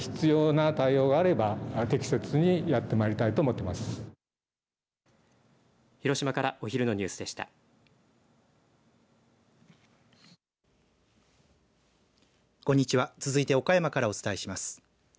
続いて岡山からお伝えします。